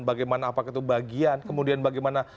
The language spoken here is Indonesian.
bagaimana bagian kemudian bagaimana